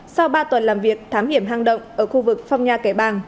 sau ba tuần làm việc thám hiểm hang động ở khu vực phong nha kẻ bàng